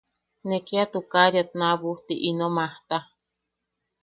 Ne kia tukariat naabujti ino majta.